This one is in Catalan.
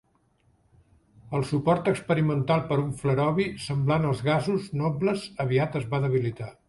El suport experimental per a un flerovi semblant als gasos nobles aviat es va debilitar.